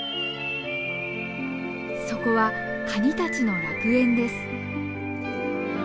そこはカニたちの楽園です。